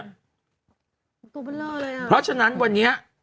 ตัวเบลอเลยอ่ะเพราะฉะนั้นวันนี้